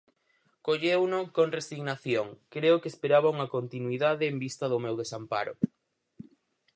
Colleuno con resignación, creo que esperaba unha continuidade en vista do meu desamparo.